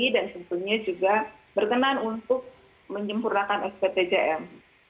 dan tentunya juga berkenan untuk menyempurnakan spt jepang